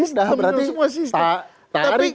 ya sudah berarti tak tarik